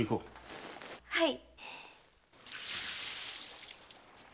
はい。